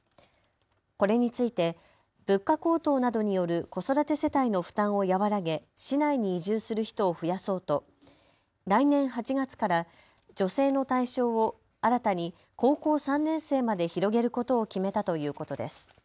これについて物価高騰などによる子育て世帯の負担を和らげ、市内に移住する人を増やそうと来年８月から助成の対象を新たに高校３年生まで広げることを決めたということです。